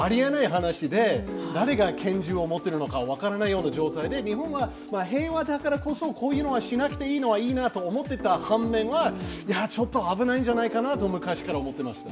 話で誰が拳銃を持ってるのか分からないような状態で日本は平和だからこそ、こういうのをしなくていいのはいいなと思っていた反面、ちょっと危ないんじゃないかなと昔から思ってました。